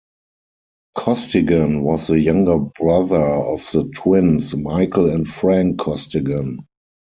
Costigan was the younger brother of the twins Michael and Frank Costigan.